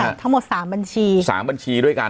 ทั้งหมดสามบัญชีสามบัญชีด้วยกัน